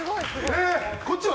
こっちは？